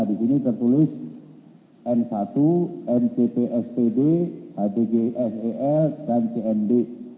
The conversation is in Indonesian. di sini tertulis n satu mcp spd hdg sel dan cnd